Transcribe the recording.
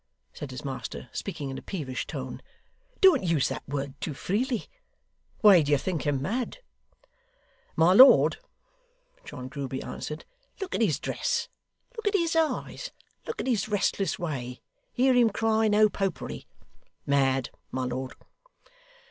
said his master, speaking in a peevish tone. 'Don't use that word too freely. Why do you think him mad?' 'My lord,' John Grueby answered, 'look at his dress, look at his eyes, look at his restless way, hear him cry "No Popery!" Mad, my lord.